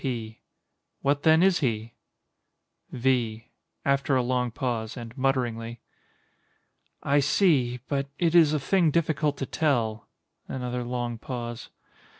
_] P. What, then, is he? V. [After a long pause, and mutteringly.] I see—but it is a thing difficult to tell. [_Another long pause.